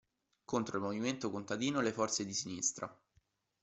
Contro il movimento contadino e le forze di sinistra.